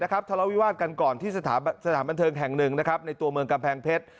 ทะเลาะวิวาสกันก่อนที่สถานบันเทิงแห่งหนึ่งในตัวเมืองกำแพงเพชร